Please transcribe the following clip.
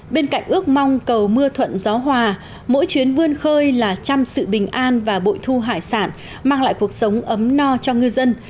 bên cạnh ước mong cầu mưa thuận gió hòa mỗi chuyến vươn khơi là chăm sự bình an và bội thu hải sản mang lại cuộc sống ấm no cho ngư dân